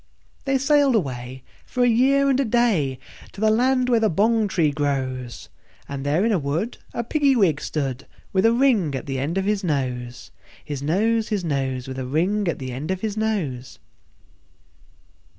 They sailed away, for a year and a day, To the land where the bong tree grows; And there in a wood a Piggy wig stood, With a ring at the end of his nose, His nose, His nose, With a ring at the end of his nose.